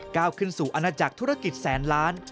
ก้าวขึ้นสู่อาณาจักรธุรกิจแสนล้าน